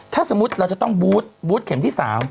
ถ้าสมมุติเราจะต้องบูธบูธเข็มที่๓